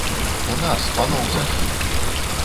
У нас, паноў сахі!